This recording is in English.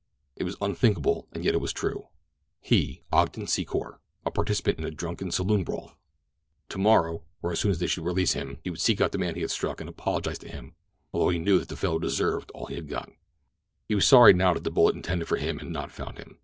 It was unthinkable, and yet it was true—he, Ogden Secor, a participant in a drunken, saloon brawl! tomorrow, or as soon as they should release him, he would seek out the man he had struck and apologize to him, although he knew that the fellow deserved all that he had got. He was sorry now that the bullet intended for him had not found him.